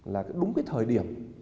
là đúng cái thời điểm